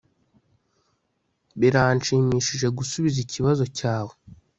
Biranshimishije gusubiza ikibazo cyawe